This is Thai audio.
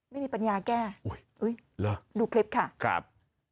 ไม่มีปัญญาแก้อุ้ยเหรอดูคลิปค่ะครับ